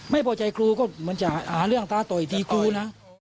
ไม่พอใจกลูก็เหมือนจะหาเรื่องตาต่อยดีกลูนะ